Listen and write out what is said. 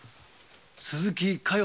鈴木加代